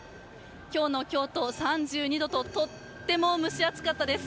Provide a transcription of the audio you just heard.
今日の京都、３２度ととっても蒸し暑かったです。